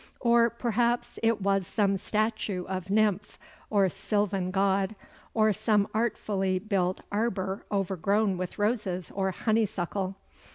Or perhaps it was some statue of nymph or sylvan god, or some artfully built arbour overgrown with roses or honeysuckle.